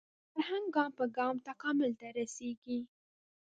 فرهنګ ګام په ګام تکامل ته رسېږي